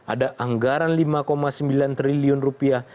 ada anggaran lima sembilan triliun rupiah